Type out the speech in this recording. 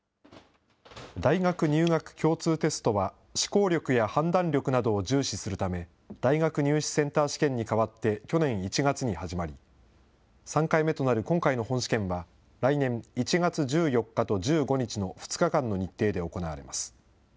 大学入学共通テストは、思考力や判断力などを重視するため、大学入試センター試験に代わって去年１月に始まり、３回目となる今回の本試験は、来年１月１４日と１５日の２日間の日程で行われます。